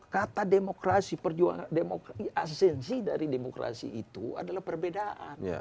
kata demokrasi perjuangan demokrasi asensi dari demokrasi itu adalah perbedaan